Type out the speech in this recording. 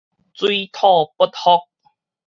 水土不服